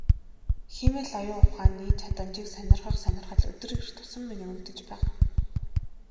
Хиймэл оюун ухааны чадамжийг сонирхох сонирхол өдөр ирэх тусам нэмэгдэж байгаа.